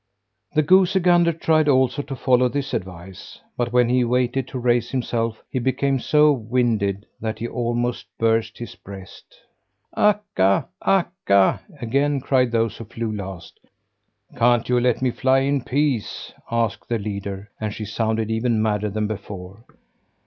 The goosey gander tried also to follow this advice; but when he wanted to raise himself, he became so winded that he almost burst his breast. "Akka, Akka!" again cried those who flew last. "Can't you let me fly in peace?" asked the leader, and she sounded even madder than before.